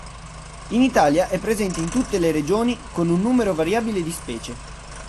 In Italia è presente in tutte le regioni con un numero variabile di specie.